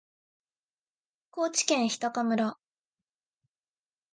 高知県日高村